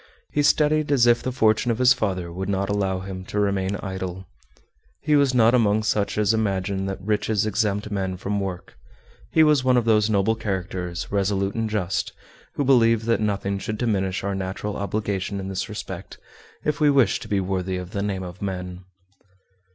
He studied as if the fortune of his father would not allow him to remain idle. He was not among such as imagine that riches exempt men from work he was one of those noble characters, resolute and just, who believe that nothing should diminish our natural obligation in this respect if we wish to be worthy of the name of men.